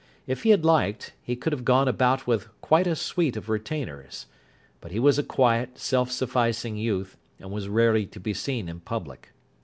If he had liked, he could have gone about with quite a suite of retainers. But he was a quiet, self sufficing youth, and was rarely to be seen in public.